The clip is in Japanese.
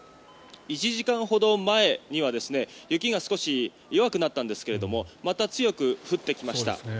１時間ほど前には雪が少し弱くなったんですがまた強く降ってきました。